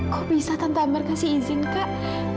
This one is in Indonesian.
kok bisa tante amber kasih izin kak